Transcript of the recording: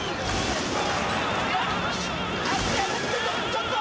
ちょっと！